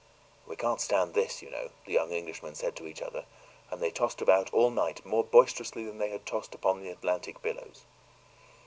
"We can't stand this, you know," the young Englishmen said to each other; and they tossed about all night more boisterously than they had tossed upon the Atlantic billows.